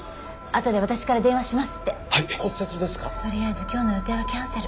とりあえず今日の予定はキャンセル。